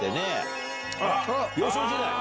幼少時代！